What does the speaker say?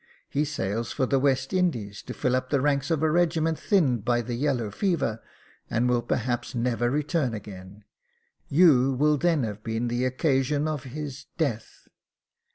He sails for the West Indies to fill up the ranks of a regiment thinned by the yellow fever, and will perhaps never return again — you will then have been the occasion of his death.